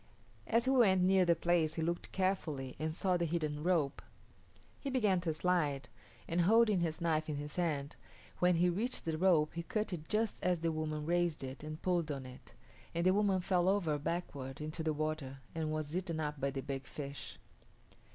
As he went near the place he looked carefully and saw the hidden rope. He began to slide, and holding his knife in his hand, when he reached the rope he cut it just as the woman raised it and pulled on it, and the woman fell over backward into the water and was eaten up by the big fish.